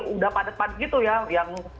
udah padat padat gitu ya yang